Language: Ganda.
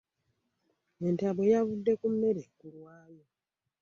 Entabwe yavudde ku mmere kulwayo.